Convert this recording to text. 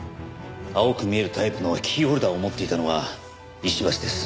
青く見えるタイプのキーホルダーを持っていたのは石橋です。